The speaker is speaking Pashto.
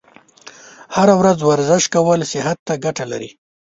هره ورځ ورزش کول صحت ته ګټه لري.